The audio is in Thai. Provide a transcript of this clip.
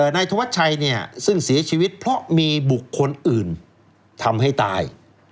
นายทวชัยซึ่งเสียชีวิตเพราะมีบุกคนอื่นทำให้ตาย